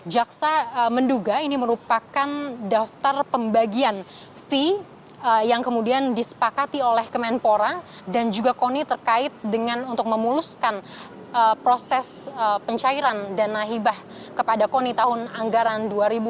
jaksa menduga ini merupakan daftar pembagian fee yang kemudian disepakati oleh kemenpora dan juga koni terkait dengan untuk memuluskan proses pencairan dana hibah kepada koni tahun anggaran dua ribu dua puluh